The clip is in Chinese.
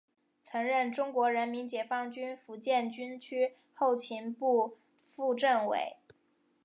曾任中国人民解放军福建军区后勤部副政委。